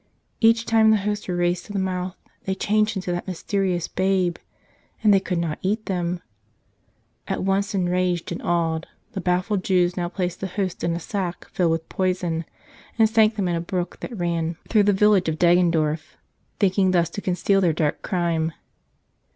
Each time the Hosts were raised to the mouth they changed into that mysterious Babe. And they could not eat them. At once enraged and awed, the baffled Jews now placed the Hosts in a sack filled with poison and sank them in a brook that ran through the 73 > "Tell Us A nother ! village of Deggendorf, thinking thus to conceal their dark crime.